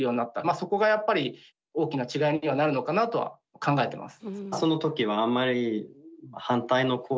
そこがやっぱり大きな違いにはなるのかなとは考えてます。